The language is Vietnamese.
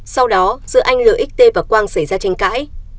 sau đó giữa anh lxt và quang xảy ra tranh cãi